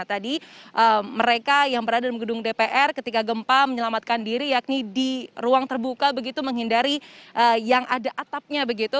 tadi mereka yang berada di gedung dpr ketika gempa menyelamatkan diri yakni di ruang terbuka begitu menghindari yang ada atapnya begitu